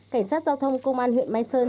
cảnh sát giao thông công an huyện mai sơn